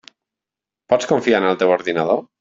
Pots confiar en el teu ordinador?